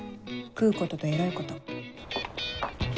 食うこととエロいこと。